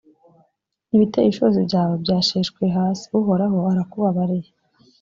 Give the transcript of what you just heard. ibiteye ishozi byawe byasheshwe hasi uhoraho arakubabariye